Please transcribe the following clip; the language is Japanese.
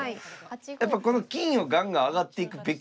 やっぱこの金をガンガン上がっていくべきなんですかね。